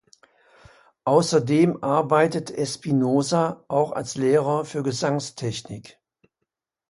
Außerdem arbeitet Espinoza auch als Lehrer für Gesangstechnik.